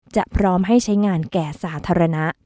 พร้อมให้ใช้งานแก่สาธารณะ